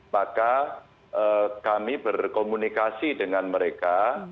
maka kami berkomunikasi dengan mereka